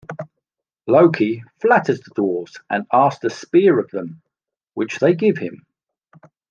Loki flatters the Dwarves and asks the Spear of them, which they give him.